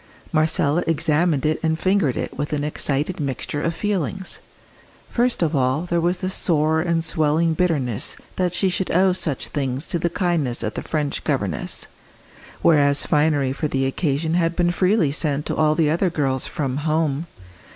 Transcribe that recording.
Marcella examined it and fingered it with an excited mixture of feelings. First of all there was the sore and swelling bitterness that she should owe such things to the kindness of the French governess, whereas finery for the occasion had been freely sent to all the other girls from "home."